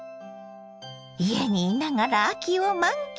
家に居ながら秋を満喫。